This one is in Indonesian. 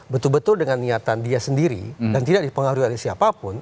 betul betul dengan niatan dia sendiri dan tidak dipengaruhi oleh siapapun